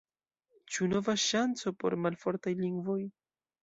Ĉu nova ŝanco por malfortaj lingvoj?